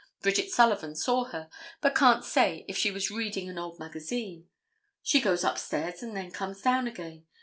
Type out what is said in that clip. Bridget Sullivan saw her, but can't say if she was reading an old magazine. She goes upstairs and then comes down again.